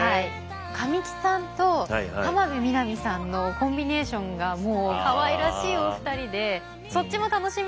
神木さんと浜辺美波さんのコンビネーションがもうかわいらしいお二人でそっちも楽しみです。